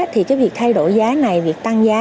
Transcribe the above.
thì cái việc thay đổi giá này việc tăng giá